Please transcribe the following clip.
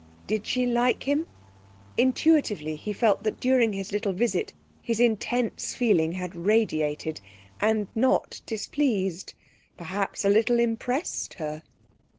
Did she like him? Intuitively he felt that during his little visit his intense feeling had radiated, and not displeased perhaps a little impressed her.